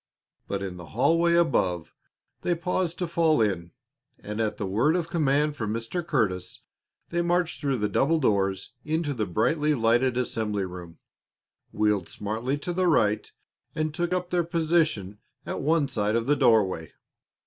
But in the hallway above they paused to fall in, and at the word of command from Mr. Curtis they marched through the double doors into the brightly lighted assembly room, wheeled smartly to the right, and took up their position at one side of the doorway.